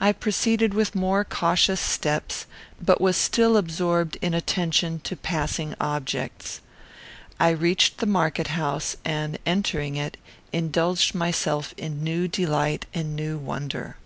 I proceeded with more cautious steps, but was still absorbed in attention to passing objects. I reached the market house, and, entering it, indulged myself in new delight and new wonder.